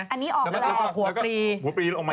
อันนี้ออกอะไรหัวปลีลงมาอย่างนี้